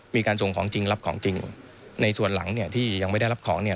มีการส่งของจริงรับของจริงในส่วนหลังเนี่ยที่ยังไม่ได้รับของเนี่ย